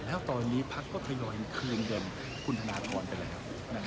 แล้วตอนนี้พักก็ทยอยคืนเงินคุณธนทรไปแล้ว